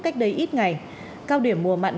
cách đây ít ngày cao điểm mùa mặn